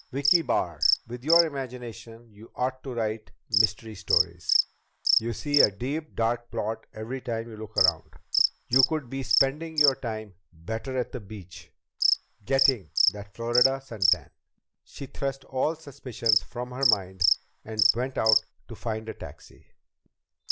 "Vicki Barr, with your imagination, you ought to write mystery stories! You see a deep, dark plot every time you look around! You could be spending your time better at the beach, getting that Florida sun tan!" She thrust all suspicions from her mind and went out to find a taxi.